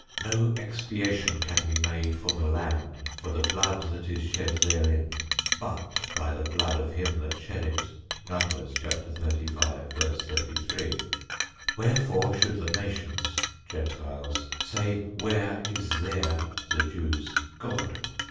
No expiation can be made for the land for the blood that is shed therein, but by the blood of him that shed it. Numbers 35;33. Wherefore should the nations [Gentiles] say, Where is their [the Jews'] God?